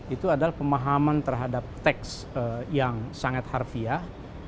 itu adalah pemahaman terhadap teks yang sangat harfiah